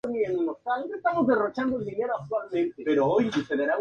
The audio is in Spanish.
Todas ellas fueron sometidas a rigurosas pruebas en todas las condiciones posibles.